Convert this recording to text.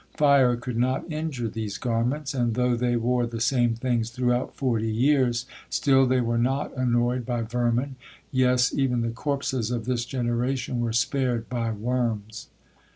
Fire could not injure these garments, and though they wore the same things throughout forty years, still they were not annoyed by vermin, yes, even the corpses of this generation were spared by worms.